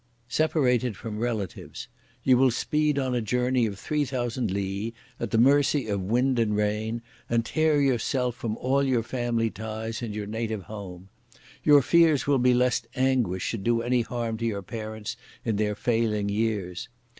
Separated from Relatives. You will speed on a journey of three thousand li at the mercy of wind and rain, and tear yourself from all your family ties and your native home! Your fears will be lest anguish should do any harm to your parents in their failing years!